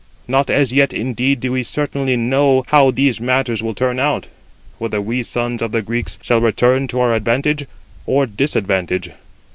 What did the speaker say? Not as yet indeed do we certainly know how these matters will turn out, whether we sons of the Greeks shall return to our advantage or disadvantage.